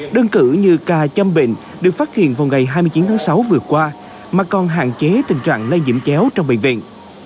đơn cử như ca châm bệnh được phát hiện vào ngày hai mươi chín tháng sáu vừa qua mà còn hạn chế tình trạng lây nhiễm chéo trong bệnh viện